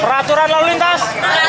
peraturan lalu lintas